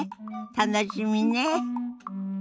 楽しみね。